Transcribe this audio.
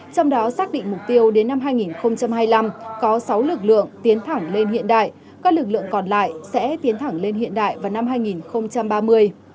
trong đó xác định mục tiêu đến năm hai nghìn hai mươi năm có sáu lực lượng tiến thẳng lên hiện đại các lực lượng còn lại sẽ tiến thẳng lên hiện đại vào năm hai nghìn ba mươi